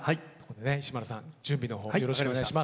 石丸さん準備の方よろしくお願いします。